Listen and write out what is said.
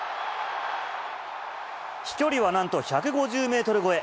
飛距離はなんと１５０メートル超え。